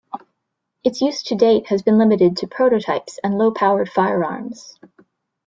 Its use to date has been limited to prototypes and low-powered firearms.